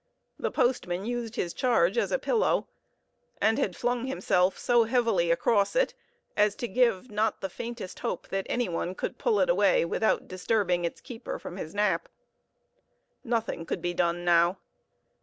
The postman used his charge as a pillow, and had flung himself so heavily across it as to give not the faintest hope that any one could pull it away without disturbing its keeper from his nap. Nothing could be done now.